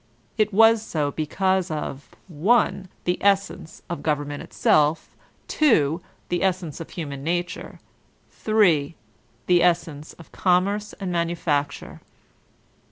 It was so because of (i) the essence of government itself; (2) the essence of human nature; (3) the essence of Com merce and Manufacture.